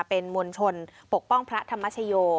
เป็นมวลชนปกป้องพระธรรมชโย